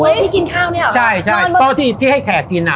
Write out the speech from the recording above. ที่กินข้าวเนี่ยเหรอใช่ใช่เพราะที่ที่ให้แขกกินอ่ะ